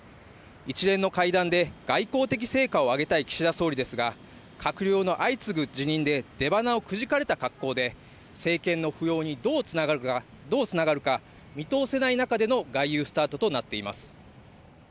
一連の会談で外交的成果を挙げたい岸田総理ですが閣僚の相次ぐ辞任で出鼻をくじかれた格好で、政権の浮揚にどうつながるか見通せない中での外遊スタートとなっています。